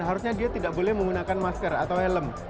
harusnya dia tidak boleh menggunakan masker atau helm